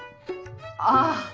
ああ。